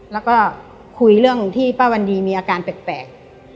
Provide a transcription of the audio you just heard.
แล้วก็คุยเรื่องที่ป้าวันดีมีอาการแปลก